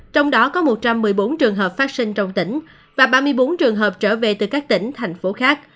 trong đó có một trăm một mươi bốn trường hợp phát sinh trong tỉnh và ba mươi bốn trường hợp trở về từ các tỉnh thành phố khác